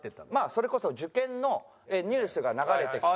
それこそ受験のニュースが流れてきて。